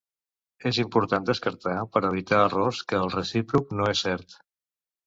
És important destacar, per evitar errors, que el recíproc no és cert.